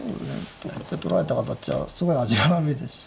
取って取られた形はすごい味が悪いですし。